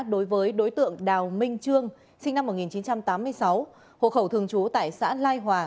đối với đối tượng đào minh trương sinh năm một nghìn chín trăm tám mươi sáu hộ khẩu thường trú tại xã lai hòa